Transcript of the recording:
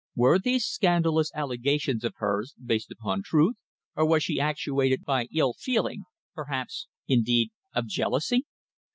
Were these scandalous allegations of hers based upon truth, or was she actuated by ill feeling, perhaps, indeed, of jealousy?